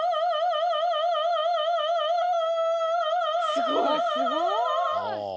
すごい。